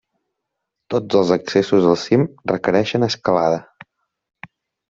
Tots els accessos al cim requereixen escalada.